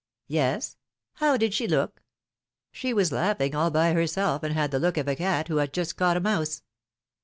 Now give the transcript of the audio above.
^^Yes." How did she look ?" ^^She was laughing all by herself, and had the look of a cat who has just caught a mouse."